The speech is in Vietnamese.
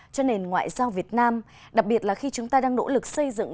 cho nền ngoại giao việt nam đặc biệt là khi chúng ta đang nỗ lực xây dựng